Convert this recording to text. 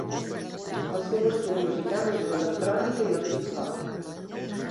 El seu estil musical és l'electrònica i el hip-hop.